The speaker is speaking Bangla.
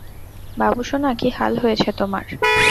বাবুসোনা, কি হাল হয়েছে তোমার?